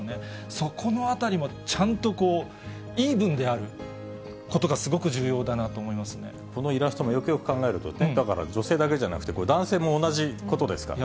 そこのあたりもちゃんとイーブンであることが、すごく重要だなとこのイラストも、よくよく考えると、女性だけでじゃなくて、男性も同じことですからね。